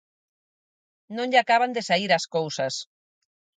Non lle acaban de saír as cousas.